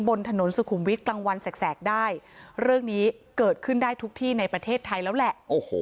บนถนนสุขุมวิทย์กลางวันแสกได้เรื่องนี้เกิดขึ้นได้ทุกที่ในประเทศไทยแล้วแหละ